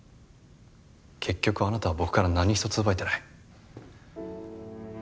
結局あなたは僕から何一つ奪えてない。